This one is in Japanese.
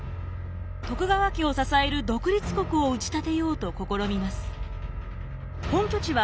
徳川家を支える独立国を打ち立てようと試みます。